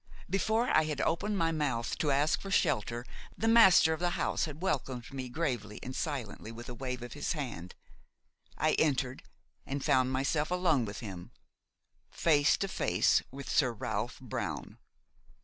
Before I had opened my mouth to ask for shelter the master of the house had welcomed me gravely and silently with a wave of his hand. I entered and found myself alone with him, face to face with Sir Ralph Brown.